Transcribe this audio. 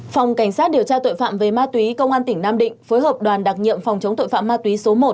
phòng cảnh sát điều tra tội phạm về ma túy công an tỉnh nam định phối hợp đoàn đặc nhiệm phòng chống tội phạm ma túy số một